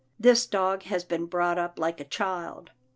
This dog has been brought up like a child."